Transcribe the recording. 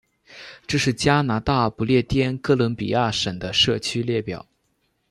这是加拿大不列颠哥伦比亚省的社区列表。